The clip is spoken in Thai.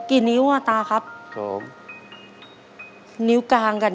อเรนนี่ต้องมีวัคซีนตัวหนึ่งเพื่อที่จะช่วยดูแลพวกม้ามและก็ระบบในร่างกาย